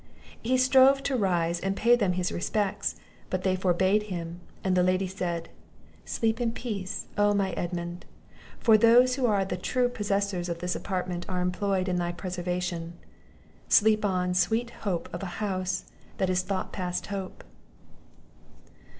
He strove to rise and pay them his respects, but they forbad him; and the lady said, "Sleep in peace, oh my Edmund! for those who are the true possessors of this apartment are employed in thy preservation; sleep on, sweet hope of a house that is thought past hope!"